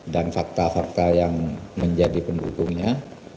fakta fakta yang menjadi pendukungnya